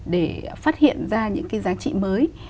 để phát hiện ra những cái giá trị mới